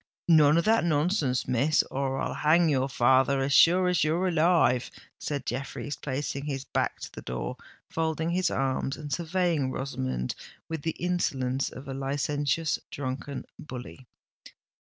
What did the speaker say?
"None of that nonsense, Miss—or I'll hang your father, as sure as you're alive!" said Jeffreys, placing his back to the door, folding his arms, and surveying Rosamond with the insolence of a licentious, drunken bully.